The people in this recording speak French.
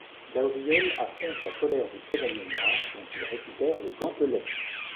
Gabriel affronte la colère du Chevalier noir dont il récupère le gantelet.